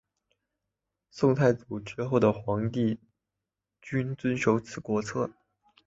宋太祖之后的皇帝均遵守此国策。